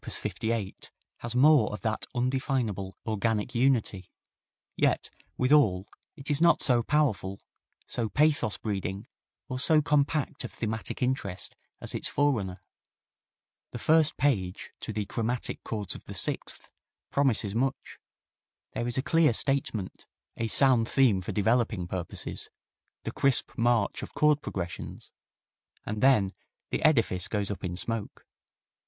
58, has more of that undefinable "organic unity," yet, withal, it is not so powerful, so pathos breeding or so compact of thematic interest as its forerunner. The first page, to the chromatic chords of the sixth, promises much. There is a clear statement, a sound theme for developing purposes, the crisp march of chord progressions, and then the edifice goes up in smoke.